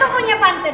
aku punya pantun